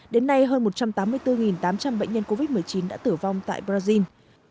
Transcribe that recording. đến nay hơn một trăm tám mươi bốn tám trăm linh bệnh nhân covid một mươi chín đã tử vong tại brazil